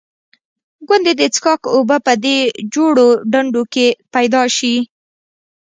ګوندې د څښاک اوبه په دې جوړو ډنډوکو کې پیدا شي.